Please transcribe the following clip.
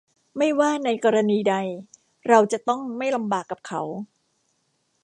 ไม่ว่าในกรณีใดเราจะต้องไม่ลำบากกับเขา